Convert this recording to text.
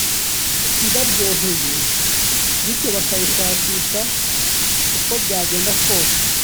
ibaryoheye bityo bakayishakisha uko byagenda kose